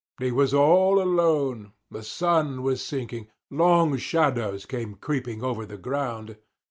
He was all alone. The sun was sinking. Long shadows came creeping over the ground.